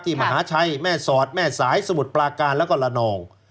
มหาชัยแม่สอดแม่สายสมุทรปลาการแล้วก็ละนอง